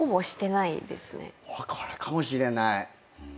これかもしれない。